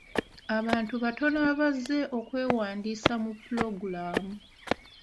Abantu batono abazze okwewandiisa mu pulogulamu.